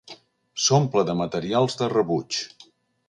S'omple de materials de rebuig.